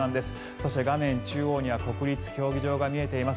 そして、画面中央には国立競技場が見えています。